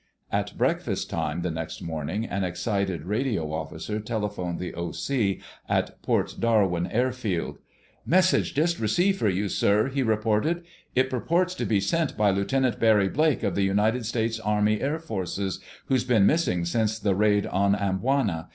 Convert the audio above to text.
At breakfast time the next morning an excited radio officer telephoned the O.C. at Port Darwin airfield. "Message just received for you, sir," he reported. "It purports to be sent by Lieutenant Barry Blake of the United States Army Air Forces, who's been missing since the raid on Amboina.